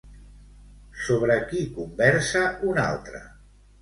Sobre qui conversa un altre?